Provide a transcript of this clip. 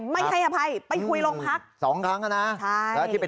ไม่ให้อภัยไปคุยลงพัก